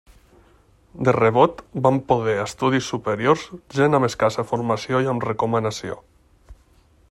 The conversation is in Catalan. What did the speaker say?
De rebot, van poder a estudis superiors gent amb escassa formació i amb recomanació.